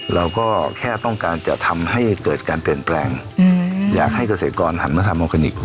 เราก็แค่ต้องการจะทำให้เกิดการเปลี่ยนแปลงอยากให้เกษตรกรหันมาทำออร์แกนิค